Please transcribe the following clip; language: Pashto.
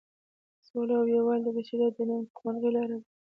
سوله او یووالی د بشریت د نیکمرغۍ لاره ده.